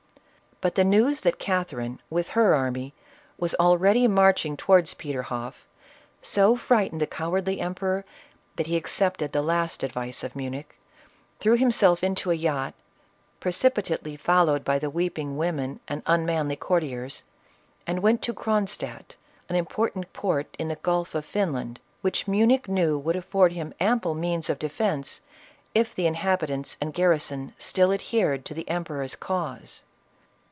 But the news that Catherine, with her army, was al ready marching towards Peterhoff, so frightened the cowardly emperor that he accepted the last advice of Munich, threw himself into a yacht,, precipitately fol lowed by the weeping women and unmanly courtiers, and went to Cr.onstadt, an important port in the gulf of Finland, which Munich knew would afford him am ple means of defence, if the inhabitants and garrison still adhered to the emperor's cause.